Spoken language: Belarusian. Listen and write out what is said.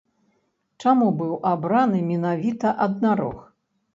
Чаму быў абраны менавіта аднарог?